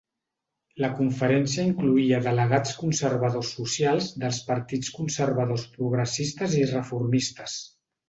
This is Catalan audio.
La conferència incloïa delegats conservadors socials dels Partits conservadors progressistes i reformistes.